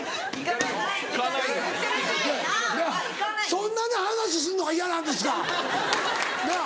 そんなに話するのが嫌なんですか？なぁ